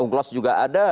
ungglos juga ada